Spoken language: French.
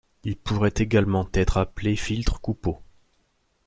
Il pourrait également être appelé filtre coupe-haut.